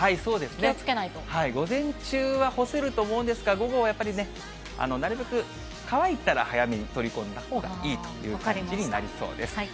午前中は干せると思うんですが、午後はやっぱりね、なるべく乾いたら早めに取り込んだほうがいいという日になりそうです。